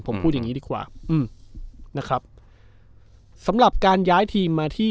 ผมพูดอย่างงี้ดีกว่าอืมนะครับสำหรับการย้ายทีมมาที่